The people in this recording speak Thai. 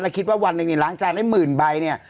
แล้วคิดว่าวันหนึ่งนี่ล้างจานได้๑๐๐๐๐ใบนี่